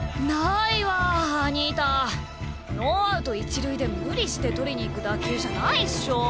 ノーアウト一塁で無理して捕りに行く打球じゃないっしょ。